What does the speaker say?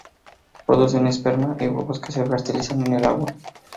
Producen esperma y huevos que se fertilizan en el agua.